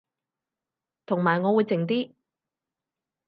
同埋我會靜啲